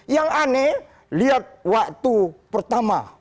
yang aneh lihat waktu pertama